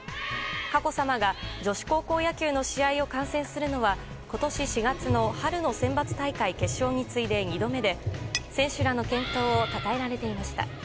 佳子さまが女子高校野球の試合を観戦するのは今年４月の春のセンバツ大会決勝に次いで２度目で選手らの健闘をたたえられていました。